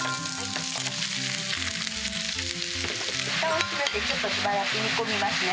ふたを閉めてしばらく煮込みますね。